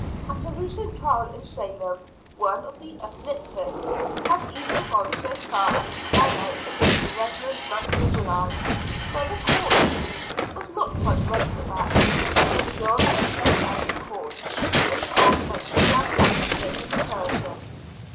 At a recent trial in Salem, one of the "afflicted" had even gone so far as to cry out against the Rev. Master Willard. But the Court, it seemed, was not quite ready for that; for the girl was sent out of court, being told that she must have mistaken the person.